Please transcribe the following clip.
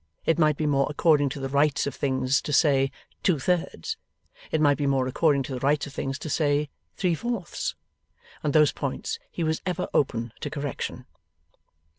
It might be more according to the rights of things, to say Two thirds; it might be more according to the rights of things, to say Three fourths. On those points he was ever open to correction.